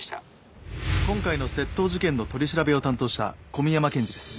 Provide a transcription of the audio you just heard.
今回の窃盗事件の取り調べを担当した小宮山検事です。